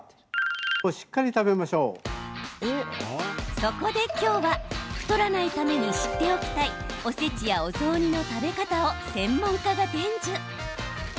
そこで今日は太らないために知っておきたいおせちやお雑煮の食べ方を専門家が伝授。